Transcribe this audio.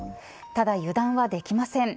ただ油断はできません。